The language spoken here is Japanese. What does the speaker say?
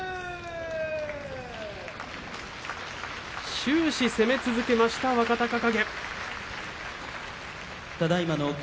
終始、攻め続けました若隆景。